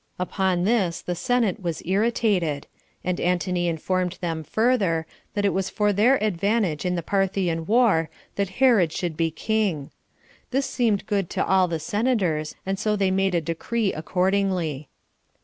Upon this the senate was irritated; and Antony informed them further, that it was for their advantage in the Parthian war that Herod should be king. This seemed good to all the senators; and so they made a decree accordingly.